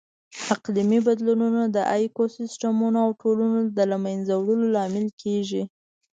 اقلیمي بدلونونه د ایکوسیسټمونو او ټولنو د لهمنځه وړلو لامل ګرځي.